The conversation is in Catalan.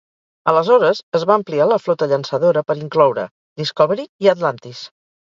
Aleshores es va ampliar la flota llançadora per incloure "Discovery" i "Atlantis".